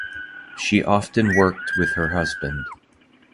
She often worked with her husband.